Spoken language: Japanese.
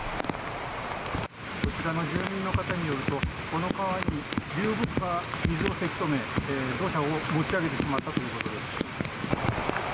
こちらの住人の方によるとこの川に流木が水をせき止め土砂を積み上げてしまったということです。